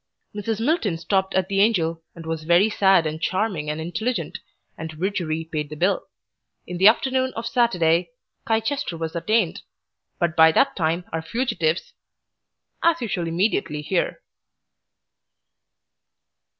Mrs. Milton stopped at the Angel and was very sad and charming and intelligent, and Widgery paid the bill in the afternoon of Saturday, Chichester was attained. But by that time our fugitives As you shall immediately hear.